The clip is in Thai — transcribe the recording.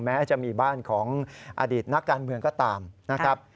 แม้จะมีบ้านของอดีตนักการเมืองก็ตามนะครับ